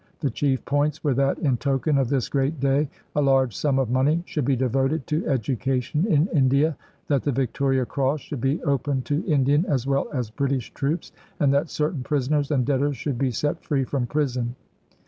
The chief points were that, in token of this great day, a large sum of money should be devoted to education in India, that the Victoria Cross should be open to Indian as well as British troops, and that certain prisoners and debtors should be set free from prison.